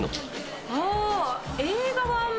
ああ。